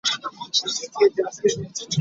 Okuyomba tekulina mugaso gwonna.